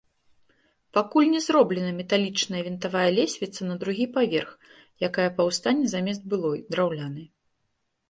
Пакуль не зроблена металічная вінтавая лесвіца на другі паверх, якая паўстане замест былой, драўлянай.